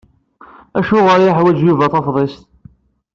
Acuɣer i yeḥwaǧ Yuba tafḍist?